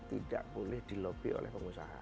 tidak boleh dilobi oleh pengusaha